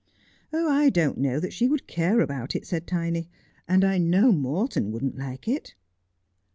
' I don't know that she would care about it,' said Tiny, ' and I know Morton wouldn't like it.'